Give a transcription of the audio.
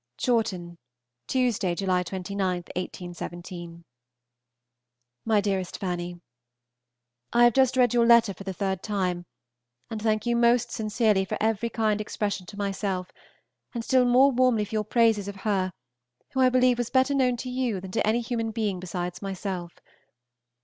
CHAWTON, Tuesday (July 29, 1817). MY DEAREST FANNY, I have just read your letter for the third time, and thank you most sincerely for every kind expression to myself, and still more warmly for your praises of her who I believe was better known to you than to any human being besides myself.